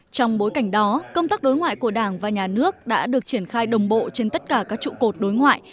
trong bối cảnh đó công tác đối ngoại của đảng và nhà nước đã được triển khai đồng bộ trên tất cả các trụ cột đối ngoại